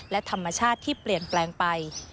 และธรรมชาติที่เปลี่ยนแปลงไป